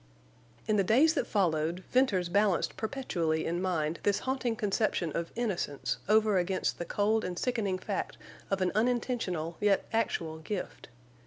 In the days that followed, Venters balanced perpetually in mind this haunting conception of innocence over against the cold and sickening fact of an unintentional yet actual gift.